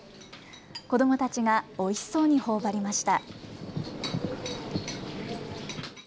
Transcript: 子どもたちが、おいしそうにほおばりました。